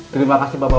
terima kasih bapak bapak